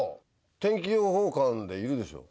天気予報官でいるでしょう？